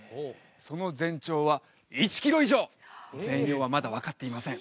その全長は１キロ以上全容はまだ分かっていません